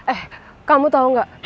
eh kamu tau gak